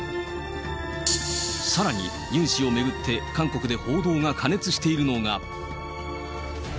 さらに、ユン氏を巡って韓国で報道が過熱しているのが。